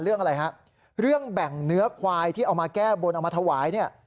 เรื่องอะไรฮะเรื่องแบ่งเนื้อควายที่เอามาแก้บนเอามาถวายเนี่ย